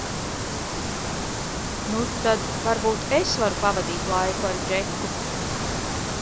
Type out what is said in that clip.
Nu, tad varbūt es varu pavadīt laiku ar Džeku?